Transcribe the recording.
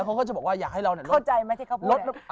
เข้าใจไหมที่เขาพูด